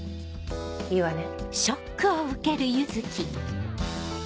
いいわね？